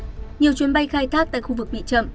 nhiều chuyến bay khai thác tại khu vực bị chậm